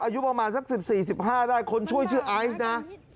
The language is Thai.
อายุประมาณสัก๑๔๑๕ได้คนช่วยชื่อไอซ์นะ